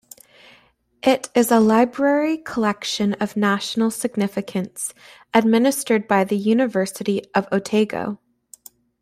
It is a library collection of national significance administered by the University of Otago.